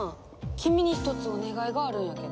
君に一つお願いがあるんやけど。